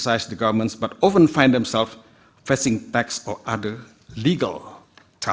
tapi sering menemukan dirinya menghadapi teks atau hal hal yang ilegal